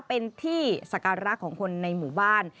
เป็นที่ศักดิ์รักษ์ของคนในหมู่บ้าน